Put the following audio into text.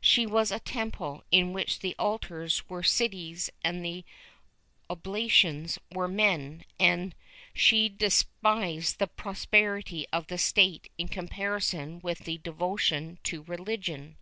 She was a temple, in which the altars were cities and the oblations were men, and she despised the prosperity of the State in comparison with devo tion to religion.